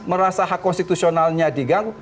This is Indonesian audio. merasa hak konstitusionalnya diganggu